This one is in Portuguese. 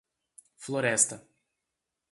Floresta